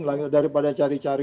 lagi daripada cari cari